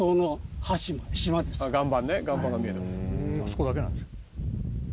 「あそこだけなんですよ」